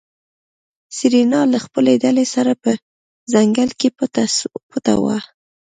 سېرېنا له خپلې ډلې سره په ځنګله کې پټه وه.